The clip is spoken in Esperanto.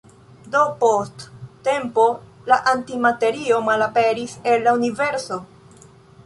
Do post tempo la antimaterio malaperis el la universo.